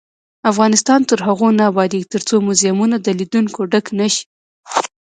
افغانستان تر هغو نه ابادیږي، ترڅو موزیمونه د لیدونکو ډک نشي.